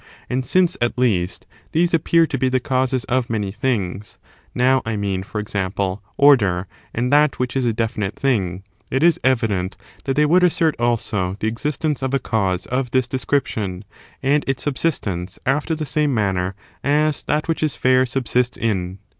And since, at least, these appear to be the causes of many things — ^now, I mean, for example, order, and that which is a definite thing — ^it lb evident that they would assert, also, the existence of a cause of this description, and its subsistence after the same manner as that which is fair subsists in.